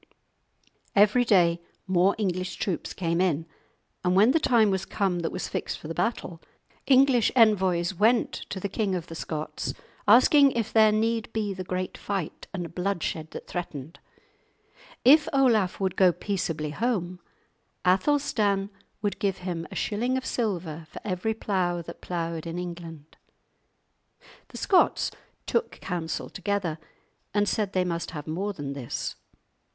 Every day more English troops came in, and when the time was come that was fixed for the battle, English envoys went to the King of the Scots asking if there need be the great fight and bloodshed that threatened; if Olaf would go peaceably home, Athelstan would give him a shilling of silver for every plough that ploughed in England. The Scots took counsel together and said they must have more than this.